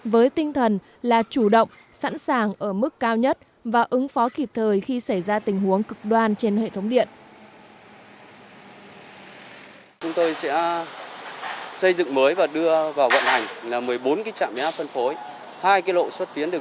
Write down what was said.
với tinh thần là chủ động sẵn sàng ở mức cao nhất và ứng phó kịp thời khi xảy ra tình huống cực đoan trên hệ thống điện